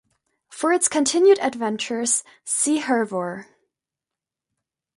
For its continued adventures, see Hervor.